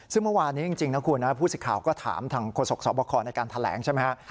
ซึ่งเมื่อวานนี้จริงนะคุณผู้สิทธิ์ข่าวก็ถามทางโฆษกสอบคอในการแถลงใช่ไหมฮะ